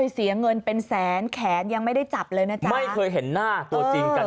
เสียเงินเป็นแสนแขนยังไม่ได้จับเลยนะจ๊ะไม่เคยเห็นหน้าตัวจริงกัน